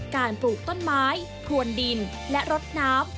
ปลูกต้นไม้พลวนดินและรดน้ำ